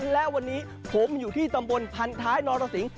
และวันนี้ผมอยู่ที่ตำบลพันท้ายนรสิง